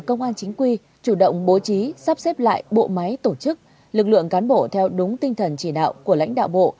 công an chính quy chủ động bố trí sắp xếp lại bộ máy tổ chức lực lượng cán bộ theo đúng tinh thần chỉ đạo của lãnh đạo bộ